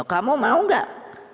kamu mau gak